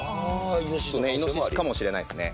イノシシかもしれないですね。